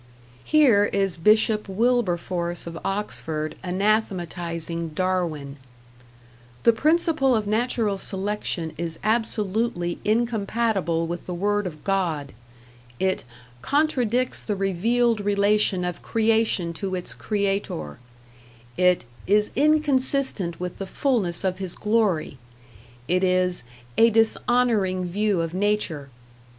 Here is Bishop Wilberforce of Oxford anathematizing Darwin: "The principle of natural selection is absolutely incompatible with the word of God"; it "contradicts the revealed relation of creation to its creator"; it "is inconsistent with the fulness of His glory"; it is "a dishonoring view of nature".